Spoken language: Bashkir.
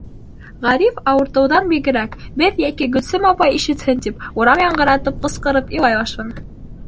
Ғариф, ауыртыуҙан бигерәк, беҙ йәки Гөлсөм апай ишетһен тип, урам яңғыратып ҡысҡырып илай башланы.